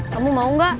kamu mau nggak